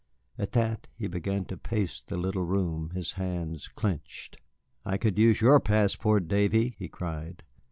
At that he began to pace the little room, his hands clenched. "I could use your passport, Davy," he cried.